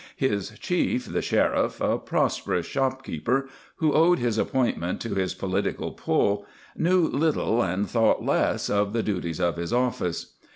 His chief, the Sheriff, a prosperous shopkeeper who owed his appointment to his political pull, knew little and thought less of the duties of his office.